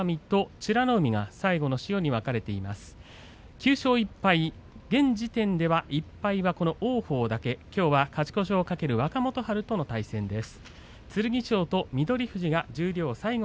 ９勝１敗、現時点では王鵬だけきょうは勝ち越しをかける若元春との対戦です。